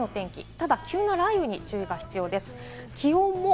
ただ急な雷雨に注意が必要です。